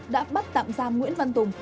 đã bắt tạm giam nguyễn văn tùng